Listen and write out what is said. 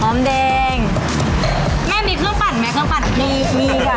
แดงแม่มีเครื่องปั่นไหมเครื่องปั่นมีมีค่ะ